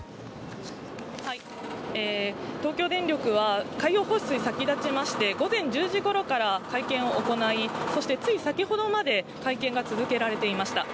はい、東京電力は海洋放出に先立ちまして午前１０時ごろから会見を行い、そしてつい先ほどまで会見が続けられていました。